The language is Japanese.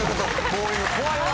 こういうの怖いわ。